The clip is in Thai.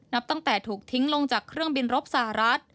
นับตั้งแต่ถูกทิ้งลงจากเครื่องบินรบสหรัฐ